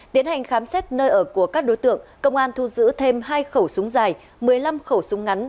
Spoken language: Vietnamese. tiến hành khám xét nơi ở của các đối tượng công an thu giữ thêm hai khẩu súng dài một mươi năm khẩu súng ngắn